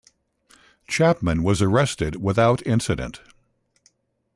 Chapman was arrested without incident.